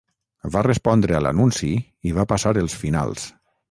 Va respondre a l'anunci i va passar els finals.